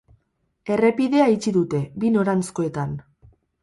Errepidea itxi dute, bi noranzkoetan.